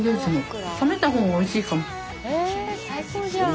え最高じゃん。